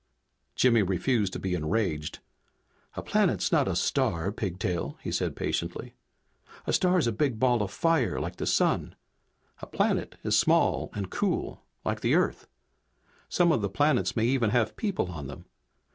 Jimmy refused to be enraged. "A planet's not a star, Pigtail," he said patiently. "A star's a big ball of fire like the sun. A planet is small and cool, like the Earth. Some of the planets may even have people on them.